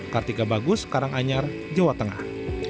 kartika bagus karanganyar jawa tengah